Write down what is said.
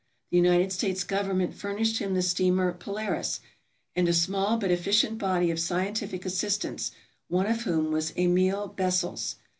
The United States government furnished him the steamer "Polaris," and a small but efficient body of scientific assistants, one of whom was Emil Bessels.